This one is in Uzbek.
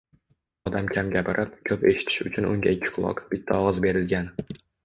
Odam kam gapirib, koʻp eshitishi uchun unga ikki quloq, bitta ogʻiz berilgan.